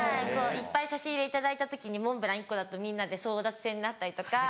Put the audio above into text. いっぱい差し入れ頂いた時にモンブラン１個だとみんなで争奪戦になったりとか。